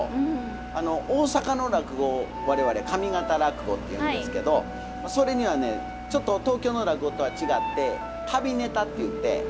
大阪の落語我々上方落語って言うんですけどそれにはねちょっと東京の落語とは違って「旅ネタ」って言ってまあ